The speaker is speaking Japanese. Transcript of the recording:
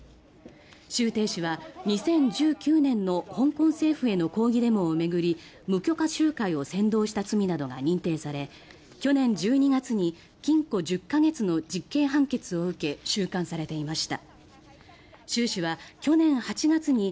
シュウ・テイ氏は２０１９年の香港政府への抗議デモなど巡り無許可集会を扇動した罪などが認定され去年１２月に禁錮１０か月の実刑判決を受け収監されていました。